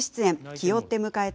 気負って迎えた